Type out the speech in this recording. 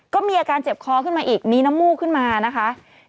ก็มีอาการเจ็บคอขึ้นมาอีกมีน้ำมูกขึ้นมานะคะ